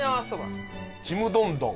ちむどんどん。